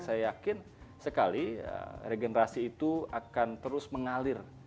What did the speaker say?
saya yakin sekali regenerasi itu akan terus mengalir